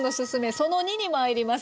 その２にまいります。